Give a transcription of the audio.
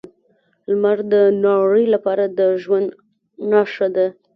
لمر د نړۍ لپاره د ژوند نښه ده.